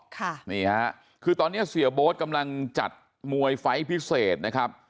ค่ะนี่ฮะคือตอนนี้เสียโบ๊ทกำลังจัดมวยไฟล์พิเศษนะครับ